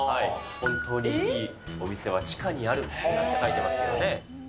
本当にいいお店は地下にあると書いてますよね。